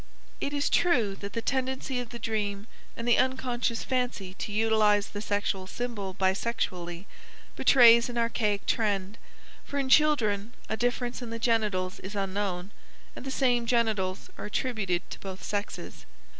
It is true that the tendency of the dream and the unconscious fancy to utilize the sexual symbol bisexually betrays an archaic trend, for in childhood a difference in the genitals is unknown, and the same genitals are attributed to both sexes.